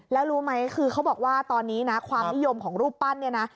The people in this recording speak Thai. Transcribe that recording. แล้วรู้ไหมคือเขาบอกว่าตอนนี้นะความนิยมของรูปปั้นเนี่ยนะ